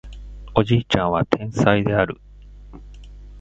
おじいちゃんは天才である